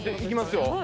いきますよ。